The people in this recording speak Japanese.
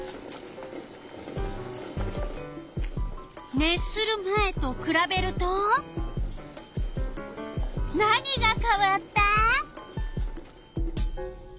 熱する前とくらべると何がかわった？